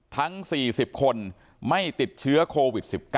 ทั้ง๔๐คนไม่ติดเชื้อโควิด๑๙